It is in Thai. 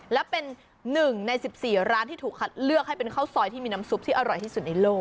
และเป็น๑ใน๑๔ร้านที่ถูกคัดเลือกให้เป็นข้าวซอยที่มีน้ำซุปที่อร่อยที่สุดในโลก